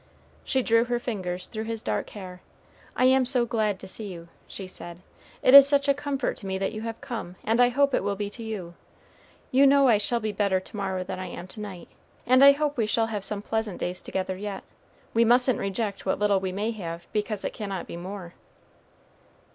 She drew her fingers through his dark hair. "I am so glad to see you," she said. "It is such a comfort to me that you have come; and I hope it will be to you. You know I shall be better to morrow than I am to night, and I hope we shall have some pleasant days together yet. We mustn't reject what little we may have, because it cannot be more."